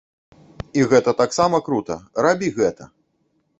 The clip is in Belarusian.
І гэта таксама крута, рабі гэта!